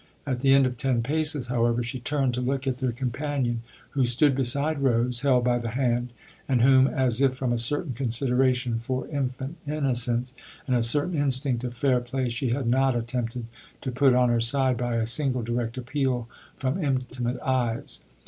At the end of ten paces, however, she turned to look at their companion, who stood beside Rose, held by the hand, and whom, as if from a certain considera tion for infant innocence and a certain instinct of fair play, she had not attempted to put on her side by a single direct appeal from intimate eyes.